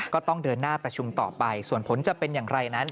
ก็ต้องเดินหน้าประชุมต่อไปส่วนผลจะเป็นอย่างไรนั้น